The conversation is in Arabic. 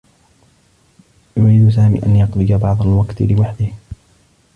يريد سامي أن يقضي بعض الوقت لوحده.